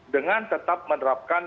dengan tetap menerapkan